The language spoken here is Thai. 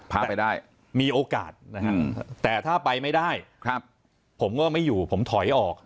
พาไปได้มีโอกาสนะฮะแต่ถ้าไปไม่ได้ผมก็ไม่อยู่ผมถอยออก